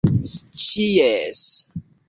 ĉies